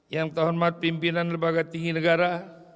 yang terhormat pimpinan lembaga tinggi negara